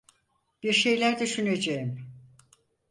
Bir şeyler düşüneceğim.